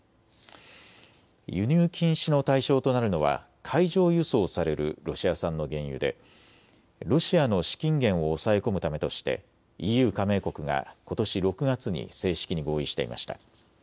輸入禁止の対象となるのは海上輸送されるロシア産の原油でロシアの資金源を抑え込むためとしてＥＵ加盟国がことし６月に正式に合意していました。